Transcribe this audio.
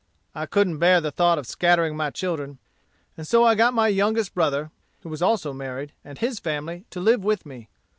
"I couldn't bear the thought of scattering my children; and so I got my youngest brother, who was also married, and his family, to live with me.